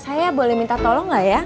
saya boleh minta tolong gak ya